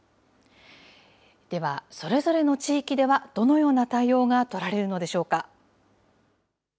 ではそれぞれの地域ではどのような対応が取られるのでしょうか。